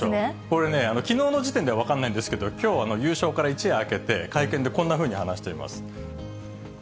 これね、きのうの時点では分からないんですけど、きょう、優勝から一夜明けて、会見でこんなふうに話しています。